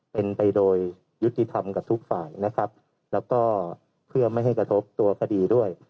เป็นไปโดยยุติธรรมกับทุกฝ่ายนะครับแล้วก็เพื่อไม่ให้กระทบตัวคดีด้วย